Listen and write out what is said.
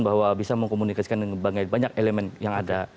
bahwa bisa mengkomunikasikan dengan banyak elemen yang ada